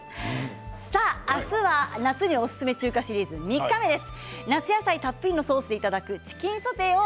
明日は夏におすすめの中華シリーズ３日目です。